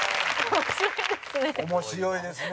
面白いですね。